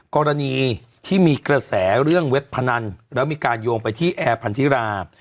กรณีที่มีกระแสเรื่องเว็บพนันแล้วมีการโยงไปที่แอร์พันธิรา